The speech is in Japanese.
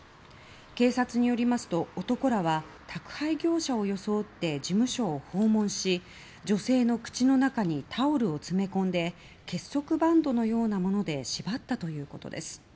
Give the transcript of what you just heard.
警察によりますと男らは宅配業者を装って事務所を訪問し女性の口の中にタオルを詰め込んで結束バンドのようなもので縛ったということです。